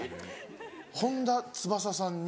本田翼さんに。